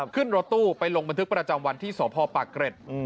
ขึ้นรถตู้ไปลงบันทึกประจำวันที่สพปากเกร็ด